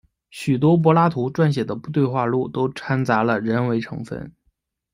许多柏拉图撰写的对话录都参杂了人为成分。